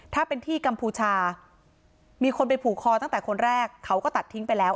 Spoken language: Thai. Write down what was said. ถ้าเป็นที่กัมพูชามีคนไปผูกคอตั้งแต่คนแรกเขาก็ตัดทิ้งไปแล้ว